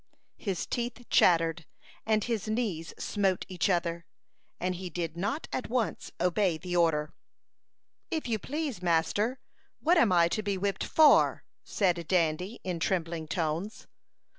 His teeth chattered, and his knees smote each other; and he did not at once obey the order. "If you please, master, what am I to be whipped for?" said Dandy, in trembling tones.